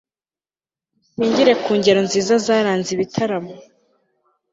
dushyingiye ku ngero nziza zaranze ibitaramo